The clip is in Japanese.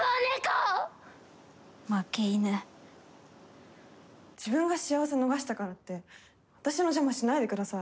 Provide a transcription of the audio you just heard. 負け犬自分が幸せ逃したからって私の邪魔しないでください。